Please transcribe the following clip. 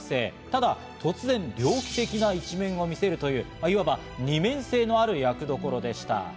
ただ突然、猟奇的な一面を見せるといういわば二面性のある役どころでした。